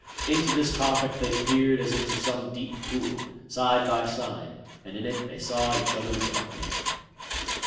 Into this topic they peered as into some deep pool, side by side, and in it they saw each other reflected.